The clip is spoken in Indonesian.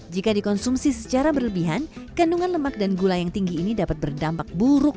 jika dikonsumsi secara berlebihan kandungan lemak dan gula yang tinggi ini dapat berdampak buruk